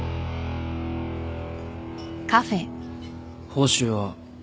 報酬は？